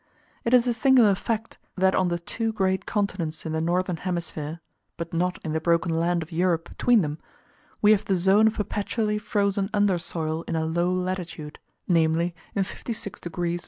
It is a singular fact, that on the two great continents in the northern hemisphere (but not in the broken land of Europe between them ), we have the zone of perpetually frozen under soil in a low latitude namely, in 56 degs.